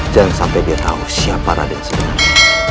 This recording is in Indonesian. jangan sampai dia tahu siapa raden sebenarnya